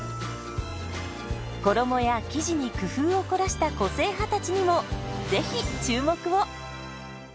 衣や生地に工夫を凝らした個性派たちにもぜひ注目を！